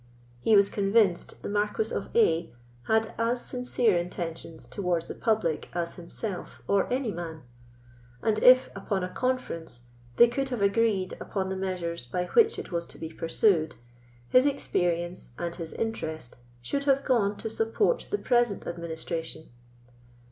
He was convinced the Marquis of A—— had as sincere intentions towards the public as himself or any man; and if, upon a conference, they could have agreed upon the measures by which it was to be pursued, his experience and his interest should have gone to support the present administration.